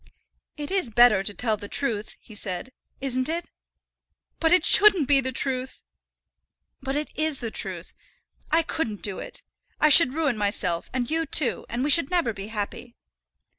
"It is better to tell the truth," he said; "isn't it?" "But it shouldn't be the truth." "But it is the truth. I couldn't do it. I should ruin myself and you too, and we should never be happy."